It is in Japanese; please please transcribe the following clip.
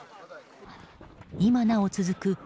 今なお続く